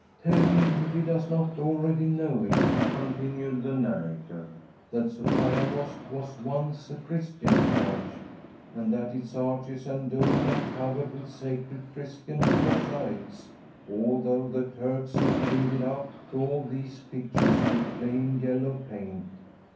"Tell him, if he does not already know it," continued the narrator, "that Sophia Mosque was once a Christian church, and that its arches and dome are covered with sacred Christian mosaics, although the Turks have painted out all these pictures with plain yellow paint.